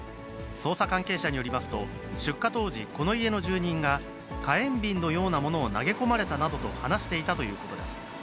捜査関係者によりますと、出火当時、この家の住人が、火炎瓶のようなものを投げ込まれたなどと話していたということです。